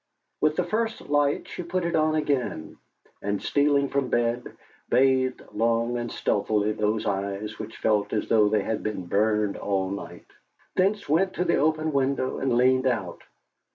With the first light she put it on again, and stealing from bed, bathed long and stealthily those eyes which felt as though they had been burned all night; thence went to the open window and leaned out.